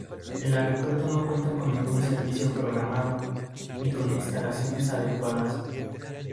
El aeropuerto no cuenta con ningún servicio programado, ni con instalaciones adecuadas.